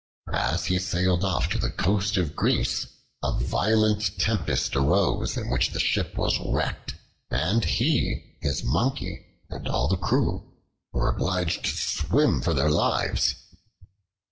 As he sailed off the coast of Greece, a violent tempest arose in which the ship was wrecked and he, his Monkey, and all the crew were obliged to swim for their lives.